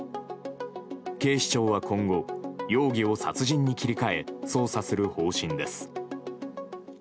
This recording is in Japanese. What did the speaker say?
警視庁は、今後容疑を殺人に切り替え捜査する方針です。